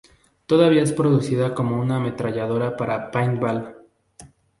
Todavía es producida como una ametralladora para paintball.